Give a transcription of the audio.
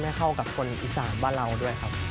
ให้เข้ากับคนอีสานบ้านเราด้วยครับ